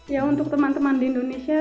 ya untuk teman teman di indonesia